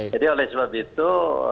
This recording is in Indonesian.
jadi oleh sebab itu